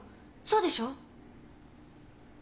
そうでしょ？